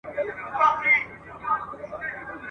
تر بدو ښه وي چي کړی نه کار ..